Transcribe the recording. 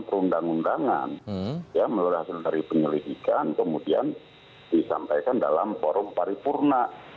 pertanyaan saya selanjutnya begini bang masinton